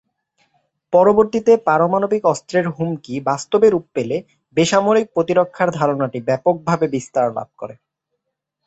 পরবর্তীতে পারমাণবিক অস্ত্রের হুমকি বাস্তবে রূপ পেলে বেসামরিক প্রতিরক্ষার ধারণাটি ব্যাপকভাবে বিস্তার লাভ করে।